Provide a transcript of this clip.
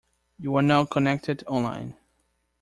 You are now connected online.